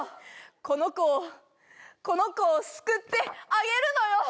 この子をこの子を救ってあげるのよ